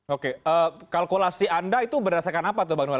oke kalkulasi anda itu berdasarkan apa tuh bang noel